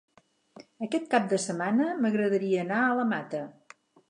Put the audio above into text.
Aquest cap de setmana m'agradaria anar a la Mata.